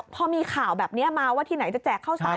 พอมีข่าวแบบนี้มาว่าที่ไหนจะแจกข้าวสาร